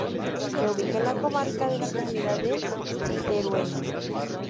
Se ubica en la comarca de la Comunidad de Teruel.